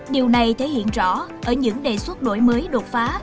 điều này thể hiện rõ ở những đề xuất đổi mới đột phá